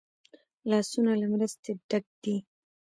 لاسونه له مرستې ډک دي